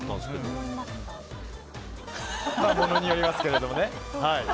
ものによりますけれどもね。